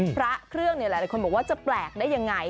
พระเครื่องหลายคนบอกว่าจะแปลกได้ยังไง